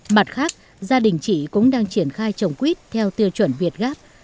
mặt khác gia đình chị cũng đang triển khai trồng quýt theo tiêu chuẩn việt gáp